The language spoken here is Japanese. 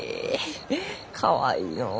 かわいいのう。